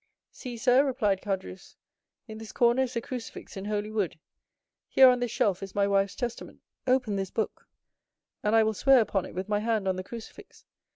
"See, sir," replied Caderousse, "in this corner is a crucifix in holy wood—here on this shelf is my wife's testament; open this book, and I will swear upon it with my hand on the crucifix.